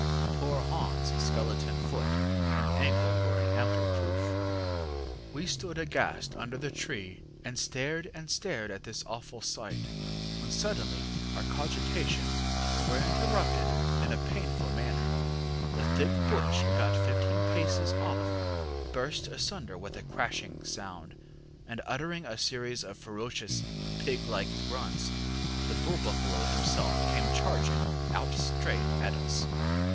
Poor HansŌĆÖ skeleton foot and ankle were an ample proof. ŌĆ£We stood aghast under the tree, and stared and stared at this awful sight, when suddenly our cogitations were interrupted in a painful manner. The thick bush about fifteen paces off burst asunder with a crashing sound, and uttering a series of ferocious pig like grunts, the bull buffalo himself came charging out straight at us.